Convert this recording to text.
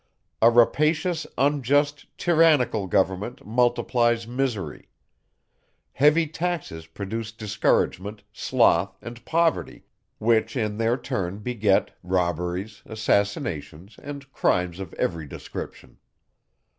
A rapacious, unjust, tyrannical government multiplies misery; heavy taxes produce discouragement, sloth, and poverty, which in their turn beget robberies, assassinations, and crimes of every description.